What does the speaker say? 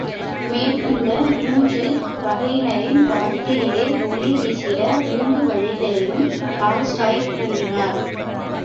மேற்கண்ட மூன்று வகையினரின் வாழ்க்கையிலே ஒளி வீசிட மூன்று வழிகளையும் டால்ஸ்டாய் கூறினார்.